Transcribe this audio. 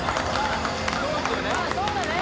そうだね